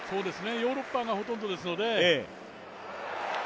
ヨーロッパがほとんどですので。